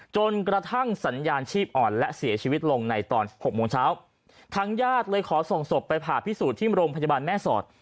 จนกระทั่งสัญญาณชีพอ่อนและเสียชีวิตลงในตอนหกโมงเช้าทางญาติเลยขอส่งศพไปผ่าพิสูจน์ที่โรงพยาบาลแม่สอด